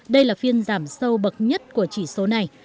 đây là phiên giảm sâu bậc nhất của chỉ số này